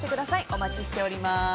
お待ちしております。